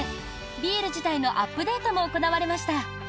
ビール自体のアップデートも行われました。